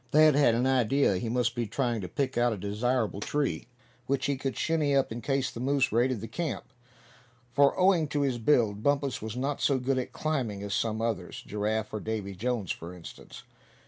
Thad had an idea he must be trying to pick out a desirable tree which he could "shinny up" in case the moose raided the camp; for owing to his build Bumpus was not so good at climbing as some others, Giraffe or Davy Jones for instance.